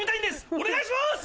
お願いします！